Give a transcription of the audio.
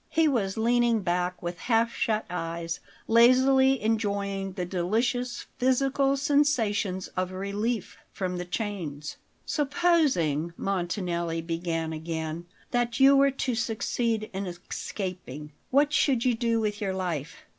He was leaning back with half shut eyes, lazily enjoying the delicious physical sensation of relief from the chains. "Supposing," Montanelli began again, "that you were to succeed in escaping; what should you do with your life?"